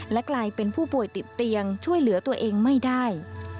และกลายเป็นผู้ป่วยติดเตียงช่วยเหลือตัวเองไม่ได้